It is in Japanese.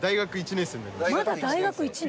まだ大学１年。